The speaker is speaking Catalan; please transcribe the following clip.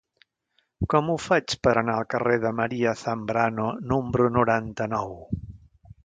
Com ho faig per anar al carrer de María Zambrano número noranta-nou?